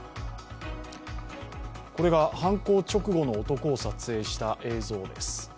これが犯行直後の男を撮影した映像です。